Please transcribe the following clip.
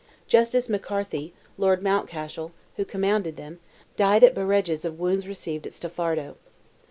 Justin McCarthy, Lord Mountcashel, who commanded them, died at Bareges of wounds received at Staffardo.